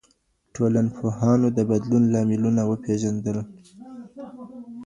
ټولنپوهانو د بدلون لاملونه وپېژندل.